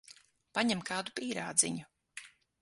Paņem kādu pīrādziņu.